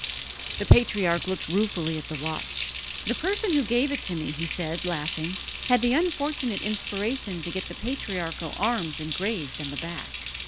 The patriarch looked ruefully at the watch. "The person who gave it me," he said, laughing, "had the unfortunate inspiration to get the patriarchal arms engraved on the back!"